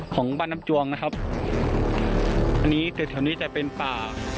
ของบ้านน้ำจวงนะครับอันนี้แต่แถวนี้จะเป็นป่า